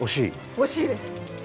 惜しいです。